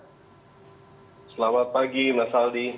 selamat pagi mas aldi